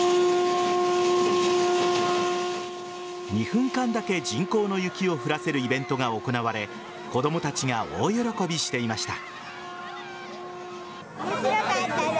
２分間だけ人工の雪を降らせるイベントが行われ子供たちが大喜びしていました。